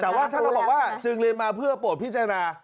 แต่ว่าถ้าเราบอกว่าจึงเรียนมาเพื่อโปรดพิจารณา